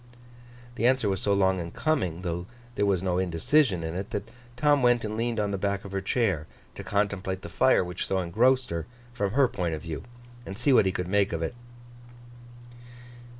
The answer was so long in coming, though there was no indecision in it, that Tom went and leaned on the back of her chair, to contemplate the fire which so engrossed her, from her point of view, and see what he could make of it.